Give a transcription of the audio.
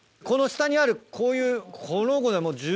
この下にあるこういうこの子でもう。